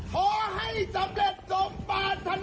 ขอให้สำเร็จสมภาษณาด้วยเถิด